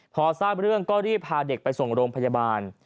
พอทราบเรื่องก็รีบพาเด็กไปส่งโรงพยาบาล